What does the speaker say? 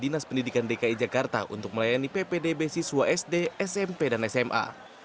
dinas pendidikan dki jakarta untuk melayani ppdb siswa sd smp dan sma